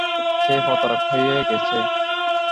সে প্রতারক হয়ে গেছে।